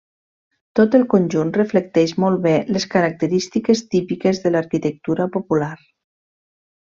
Tot el conjunt reflecteix molt bé les característiques típiques de l'arquitectura popular.